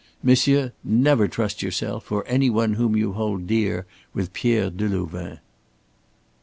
Monsieur, never trust yourself or any one whom you hold dear with Pierre Delouvain!"